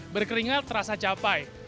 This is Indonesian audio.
berkeringat terasa capek